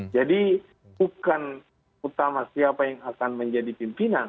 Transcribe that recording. jadi bukan utama siapa yang akan menjadi pimpinan